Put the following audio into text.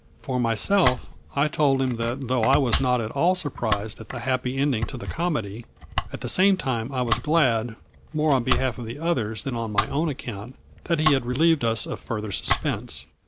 For myself, I told him that, though I was not at all surprised at the happy ending to the comedy, at the same time I was glad, more on behalf of the others than on my own account, that he had relieved us of further suspense.